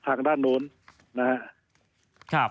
ทางด้านโน้นนะครับ